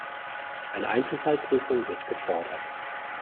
Eine Einzelfallprüfung wird gefordert.